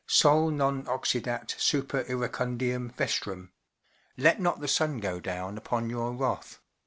"Sol non oxidat super iracimdiam vestram ” (Let not the sun go down upon your wrath).